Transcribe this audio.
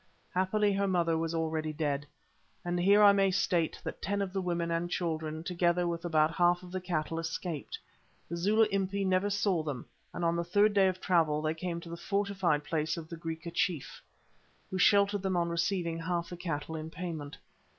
Happily her mother was already dead. And here I may state that ten of the women and children, together with about half of the cattle, escaped. The Zulu Impi never saw them, and on the third day of travel they came to the fortified place of a Griqua chief, who sheltered them on receiving half the cattle in payment.